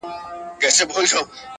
چي هغه تللې ده نو ته ولي خپه يې روحه.